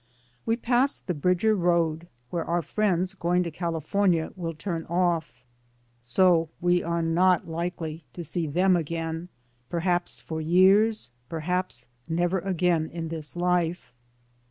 We passed the Bridger Road, where our friends going to California will turn off, so we are not likely to see them again, perhaps for years, perhaps never again in this life.